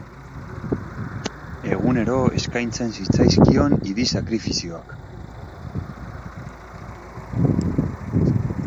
Egunero eskaintzen zitzaizkion idi sakrifizioak.